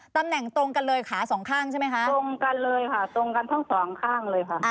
ตำแหน่งตรงกันเลยขาสองข้างใช่ไหมคะตรงกันเลยค่ะตรงกันทั้งสองข้างเลยค่ะ